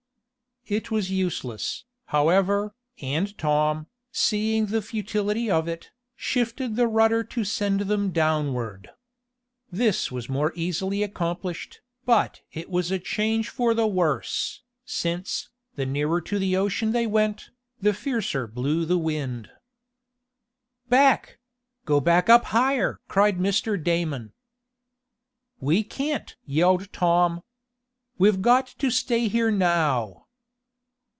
It was useless, however, and Tom, seeing the futility of it, shifted the rudder to send them downward. This was more easily accomplished, but it was a change for the worse, since, the nearer to the ocean they went, the fiercer blew the wind. "Back! Go back up higher!" cried Mr. Damon, "We can't!" yelled Tom. "We've got to stay here now!"